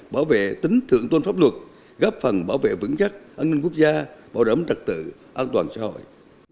bảo vệ tính thượng tôn pháp luật góp phần bảo vệ vững chắc an ninh quốc gia bảo đảm trật tự an toàn xã hội